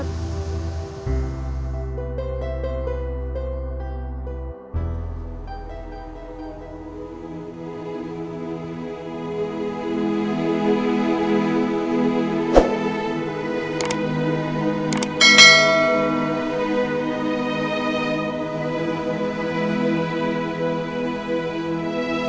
saya cuma pecundang